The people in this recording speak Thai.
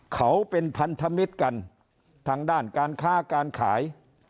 เขาเป็นพันธมิตรกันทางด้านการค้าการขาย